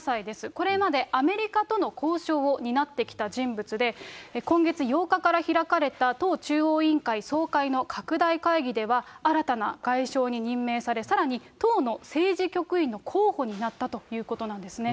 これまでアメリカとの交渉を担ってきた人物で、今月８日から開かれた党中央委員会総会の拡大会議では、新たな外相に任命され、さらに党の政治局員の候補になったということなんですね。